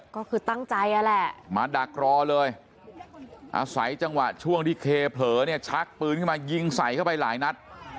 ก็คือตั้งใจนั่นแหละมาดักรอเลยอาศัยจังหวะช่วงที่เคเผลอเนี่ยชักปืนขึ้นมายิงใส่เข้าไปหลายนัด